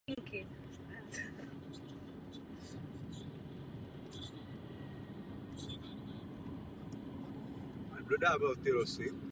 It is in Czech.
Po otci zdědil pouze úřad kolínského nejvyššího maršálka.